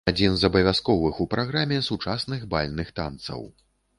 Адзін з абавязковых у праграме сучасных бальных танцаў.